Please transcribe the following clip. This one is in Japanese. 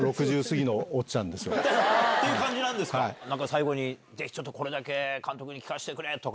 最後にぜひこれだけ監督に聞かせてくれ！とか。